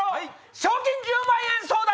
賞金１０万円争奪！